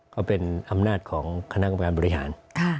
ก็เป็นอำนาจของคณะกรรมการบริหาร